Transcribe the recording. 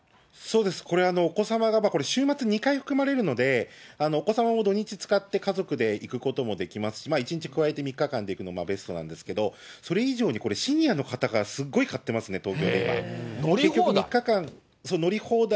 これ、お子様が週末２回含まれるので、お子様も土日使って、家族で行くこともできますし、１日加えて３日間で行くのがベストなんですけど、それ以上に、これシニアの方がすごい買ってますね、乗り放題。